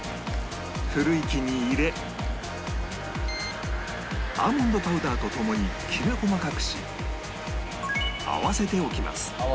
振るい機に入れアーモンドパウダーと共にきめ細かくし合わせておきます